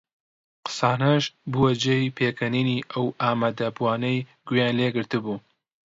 قسانەش بووە جێی پێکەنینی ئەو ئامادەبووانەی گوێیان لێ گرتبوو